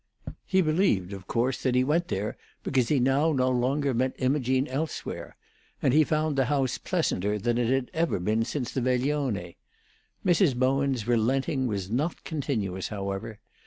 He believed, of course, that he went there because he now no longer met Imogene elsewhere, and he found the house pleasanter than it had ever been since the veglione. Mrs. Bowen's relenting was not continuous, however.